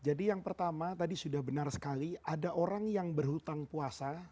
jadi yang pertama tadi sudah benar sekali ada orang yang berhutang puasa